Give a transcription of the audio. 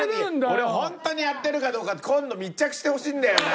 俺本当にやってるかどうか今度密着してほしいんだよな。